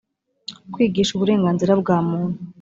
kwigisha uburenganzira bwa muntu